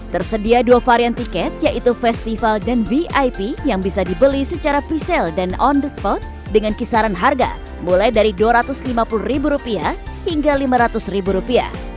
tersedia dua varian tiket yaitu festival dan vip yang bisa dibeli secara presale dan on the spot dengan kisaran harga mulai dari rp dua ratus lima puluh hingga rp lima ratus